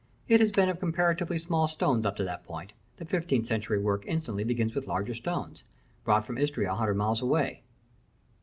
It has been of comparatively small stones up to that point; the fifteenth century work instantly begins with larger stones, "brought from Istria, a hundred miles away."